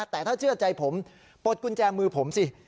แต่ถ้าเชื่อใจผมปลดกุญแจมือผมสิ